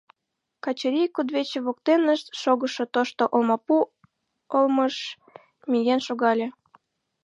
Качырий кудвече воктенышт шогышо тошто олмапу олмыш миен шогале.